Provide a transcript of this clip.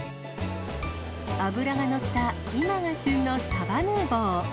脂が乗った今が旬のサバヌーヴォー。